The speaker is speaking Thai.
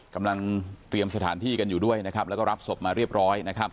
กำลังเตรียมสถานที่กันอยู่ด้วยแล้วรับศพมาเรียบร้อย